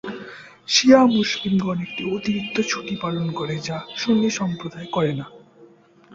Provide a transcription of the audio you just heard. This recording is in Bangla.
শিয়া মুসলিমগণ একটি অতিরিক্ত ছুটি পালন করে যা সুন্নি সম্প্রদায় করে না।